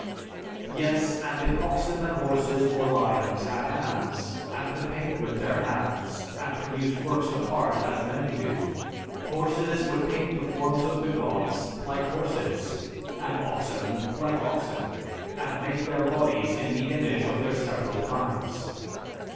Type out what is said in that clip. Yes, and if oxen and horses or lions had hands, and could paint with their hands, and produce works of art as men do, horses would paint the forms of the gods like horses, and oxen like oxen, and make their bodies in the image of their several kinds....